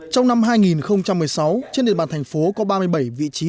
trong năm hai nghìn một mươi sáu trên địa bàn thành phố có ba mươi bảy vị trí